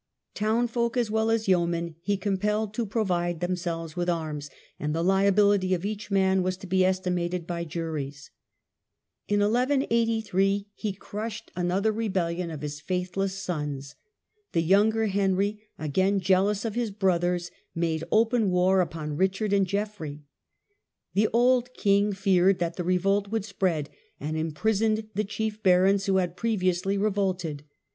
Townfolk as well as yeomen he compelled to provide themselves with arms, and the liability of each man was to be estimated by juries. In 1 1 83 he crushed another rebellion of his faithless sons. The younger Henry, again jealous of his brothers. The rebellion made Open war upon Richard and Geoffrey. ofii83. The old king feared that the revolt would spread, and imprisoned the chief barons who had pre viously revolted.